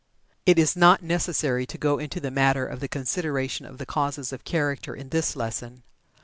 It is not necessary to go into the matter of the consideration of the causes of character in this lesson.